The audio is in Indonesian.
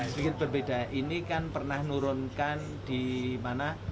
sedikit berbeda ini kan pernah nurunkan di mana